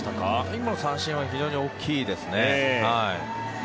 今の三振は非常に大きいですね。